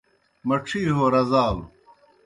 مڇھی ہو رزالوْ